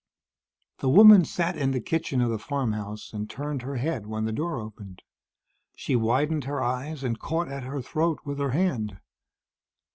The woman sat in the kitchen of the farmhouse and turned her head when the door opened. She widened her eyes and caught at her throat with her hand.